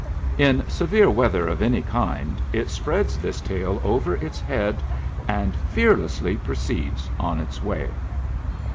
In severe weather of any kind, it spreads this tail over its head, and fearlessly proceeds on its way.